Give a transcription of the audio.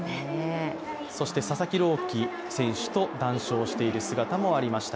佐々木朗希選手と談笑している姿もありました。